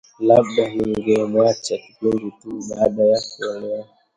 Labda, ningemwacha pindi tu baada ya kuolewa